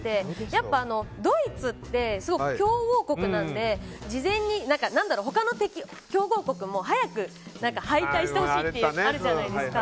やっぱりドイツって強豪国なので事前に、他の強豪国は早く敗退してほしいっていうのがあるじゃないですか。